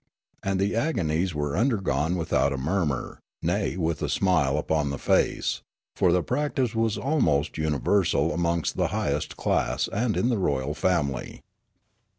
And the agonies were undergone without a murmur, nay, with a smile upon the face, for the practice was almost universal amongst the highest class and in the royal family.